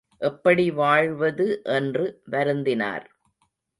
எப்படி வாழ்வது என்று வருந்தினார்.